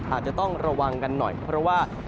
อาจจะต้องระวังกันหน่อยเพราะว่า